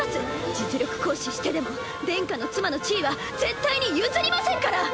実力行使してでも殿下の妻の地位は絶対に譲りませんから！